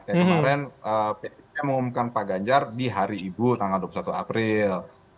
kemarin ppp mengumumkan pak ganjar di hari ibu tanggal dua puluh satu april